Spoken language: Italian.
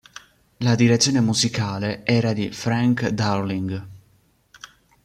La direzione musicale era di Frank Darling.